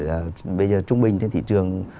là bây giờ trung bình trên thị trường